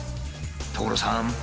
所さん！